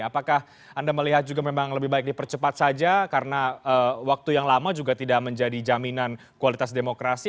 apakah anda melihat juga memang lebih baik dipercepat saja karena waktu yang lama juga tidak menjadi jaminan kualitas demokrasi